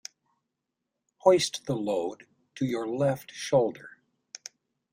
Hoist the load to your left shoulder.